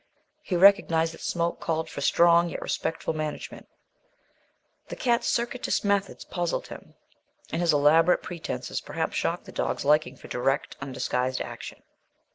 He recognized that Smoke called for strong yet respectful management. The cat's circuitous methods puzzled him, and his elaborate pretences perhaps shocked the dog's liking for direct, undisguised action.